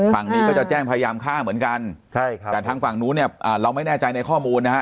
ฝั่งนี้ก็จะแจ้งพยายามฆ่าเหมือนกันใช่ครับแต่ทางฝั่งนู้นเนี่ยเราไม่แน่ใจในข้อมูลนะฮะ